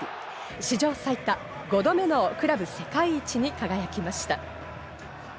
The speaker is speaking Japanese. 至上最多、５度目のクラブ世界一に輝きました。